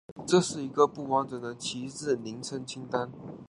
这是一个不完整的旗帜昵称清单。